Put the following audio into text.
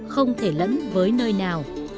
không thể lẫn với nơi nào